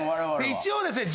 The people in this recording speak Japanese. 一応ですね